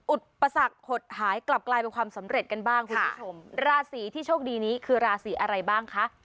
อุปสรรคหดหายกลับกลายเป็นความสำเร็จกันบ้างคุณผู้ชมราศีที่โชคดีนี้คือราศีอะไรบ้างคะ